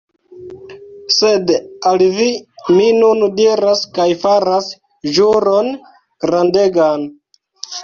Sed al vi mi nun diras kaj faras ĵuron grandegan.